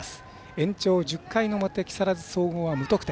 延長１０回の表木更津総合は無得点。